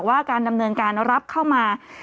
ว่าการดำเนินการรับเข้ามา